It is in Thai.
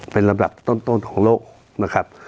เป็นลำดับต้นของโลกนะครับ